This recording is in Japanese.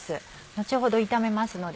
後ほど炒めますので。